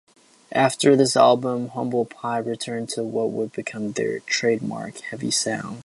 After this album, Humble Pie returned to what would become their trademark "heavy" sound.